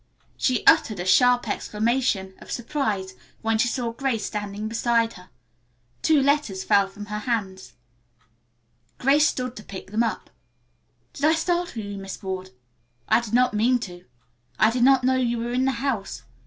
She uttered a sharp exclamation of surprise when she saw Grace standing beside her. Two letters fell from her hands. Grace stooped to pick them up. "Did I startle you, Miss Ward? I did not mean to. I did not know you were in the house.